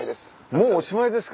もうおしまいですか。